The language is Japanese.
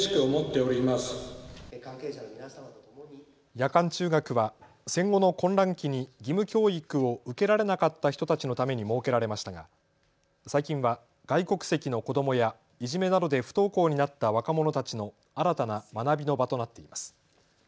夜間中学は戦後の混乱期に義務教育を受けられなかった人たちのために設けられましたが最近は外国籍の子どもやいじめなどで不登校になった若者たちの新たな学びの場となっています。